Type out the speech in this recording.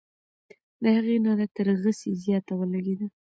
د هغې ناره تر غسي زیاته ولګېده.